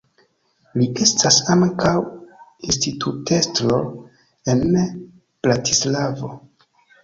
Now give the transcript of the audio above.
Li estas ankaŭ institutestro en Bratislavo.